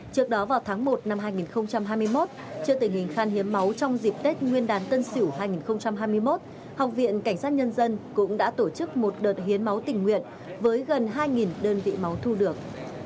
trước đó vào tháng một năm hai nghìn hai mươi một trước tình hình khan hiếm máu trong dịp tết nguyên đán tân sỉu hai nghìn hai mươi một học viện cảnh sát nhân dân cũng đã tổ chức một đợt hiến máu tình nguyện với gần hai đơn vị máu thu được